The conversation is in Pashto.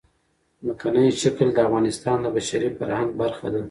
ځمکنی شکل د افغانستان د بشري فرهنګ برخه ده.